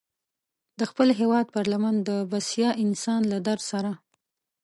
د خپل هېواد پر لمن د بسیا انسان له درد سره.